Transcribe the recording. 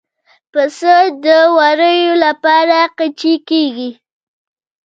پسه د وړیو لپاره قیچي کېږي.